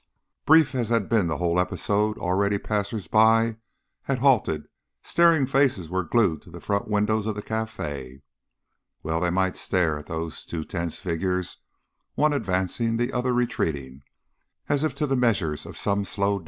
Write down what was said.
Brief as had been the whole episode, already passers by had halted, staring faces were glued to the front windows of the cafe. Well they might stare at those two tense figures, one advancing, the other retreating, as if to the measures of some slow dance.